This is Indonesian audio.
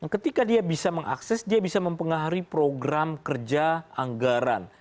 ketika dia bisa mengakses dia bisa mempengaruhi program kerja anggaran